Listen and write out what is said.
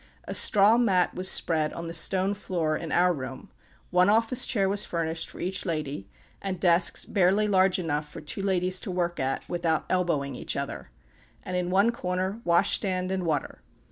A straw mat was spread on the stone floor in our room; one office chair was furnished for each lady, and desks barely large enough for two ladies to work at, without elbowing each other; and in one corner, wash stand and water.